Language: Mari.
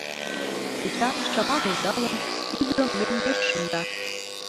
Эчан, шыман ӧндалын, ӱдырым мӧҥгеш шында.